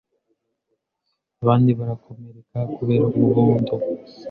abandi barakomereka kubera umuvundo